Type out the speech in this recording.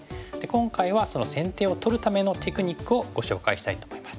今回は先手を取るためのテクニックをご紹介したいと思います。